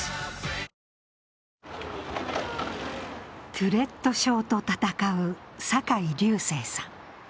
トゥレット症と闘う酒井隆成さん。